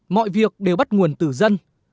mọi việc đều bắt nguồn từ dân